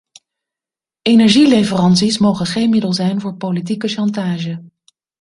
Energieleveranties mogen geen middel zijn voor politieke chantage.